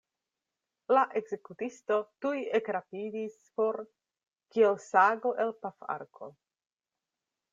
La ekzekutisto tuj ekrapidis for, kiel sago el pafarko.